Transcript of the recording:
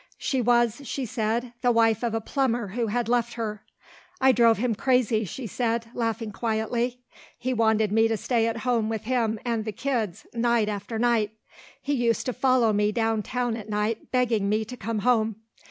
She was, she said, the wife of a plumber who had left her. "I drove him crazy," she said, laughing quietly. "He wanted me to stay at home with him and the kids night after night. He used to follow me down town at night begging me to come home.